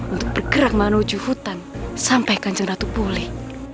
untuk bergerak menuju hutan sampai kanjeng ratu pulih